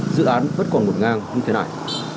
dự án vẫn còn một ngang như thế này